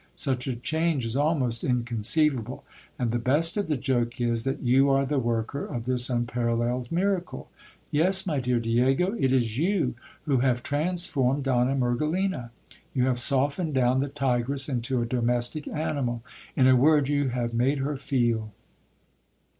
Such a change is almost inconceivable: and the best of the joke is, that you are the worker of this unparalleled miracle. Yes, my dear Diego, it is you who have transformed Donna Mergelina ; you have softened down the tigress into a domestic animal ; in a word, you have made her feel.